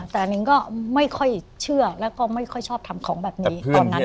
แต่นิ้งก็ไม่ค่อยเชื่อแล้วก็ไม่ค่อยชอบทำของแบบนี้ตอนนั้น